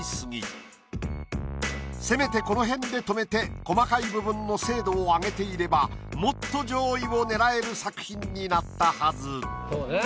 せめてこのへんで止めて細かい部分の精度を上げていればもっと上位を狙える作品になったはず。